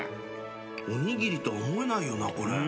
おにぎりと思えないよなこれ。